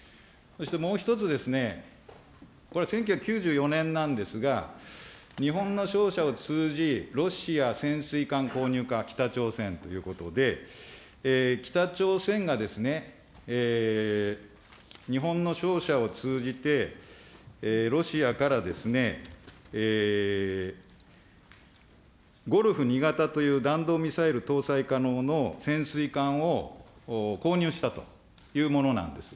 そしてもう一つですね、これ、１９９４年なんですが、日本の商社を通じ、ロシア潜水艦購入か、北朝鮮ということで、北朝鮮がですね、日本の商社を通じて、ロシアからゴルフ２型という弾道ミサイル搭載可能の潜水艦を購入したというものなんです。